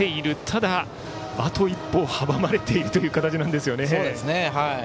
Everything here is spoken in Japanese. ただ、あと一歩阻まれているという形なんですよね。